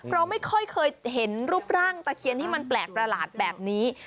เราไม่ค่อยเคยเห็นรูปร่างตะเคียนที่มันแปลกประหลาดแบบนี้